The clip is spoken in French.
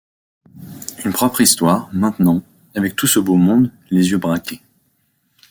Une propre histoire, maintenant, avec tout ce beau monde, les yeux braqués!